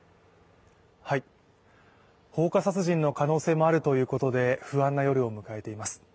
放火殺人の可能性もあるということで不安な夜を迎えています。